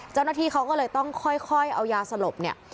เจ้าหน้าที่เขาก็เลยต้องค่อยเอายาสลบเนี่ย